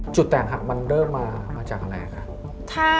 แตกหักมันเริ่มมาจากอะไรคะ